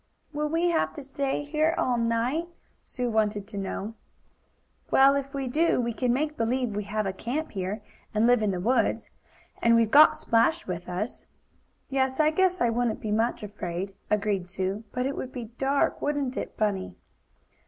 "Will we have to stay here all night?" Sue wanted to know. "Well, if we do, we can make believe we have a camp here, and live in the woods. And we've got Splash with us." "Yes, I guess I wouldn't be much afraid," agreed Sue. "But it would be dark; wouldn't it, Bunny?"